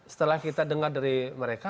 setelah kita dengar dari mereka